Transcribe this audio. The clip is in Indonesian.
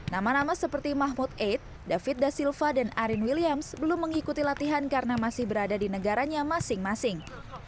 nama nama seperti mahmud aid david da silva dan arin williams belum mengikuti latihan karena masih berada di negaranya masing masing